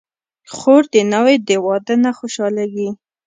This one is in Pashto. خور د ناوې د واده نه خوشحالېږي.